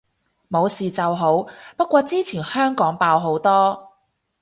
冇事就好，不過之前香港爆好多